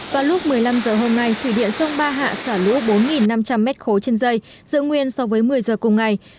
vào lúc một mươi năm h hôm nay thủy điện sông ba hạ xả lũ bốn năm trăm linh m ba trên dây dự nguyên so với một mươi giờ cùng ngày